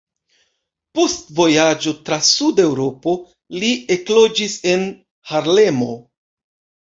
Post vojaĝo tra Suda Eŭropo li ekloĝis en Harlemo.